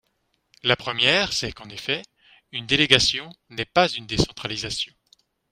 La première, c’est qu’en effet, une délégation n’est pas une décentralisation.